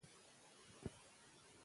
آیا ته په پښتو خبرې کولای شې؟